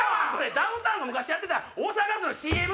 ダウンタウンが昔やってた大阪ガスのＣＭ！